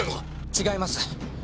違います。